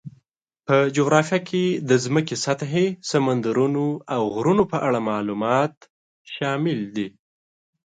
په جغرافیه کې د ځمکې سطحې، سمندرونو، او غرونو په اړه معلومات شامل دي.